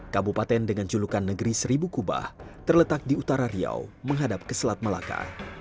kabupaten dengan julukan negeri seribu kubah terletak di utara riau menghadap ke selat malaka